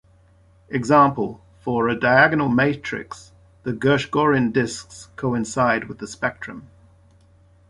Example For a diagonal matrix, the Gershgorin discs coincide with the spectrum.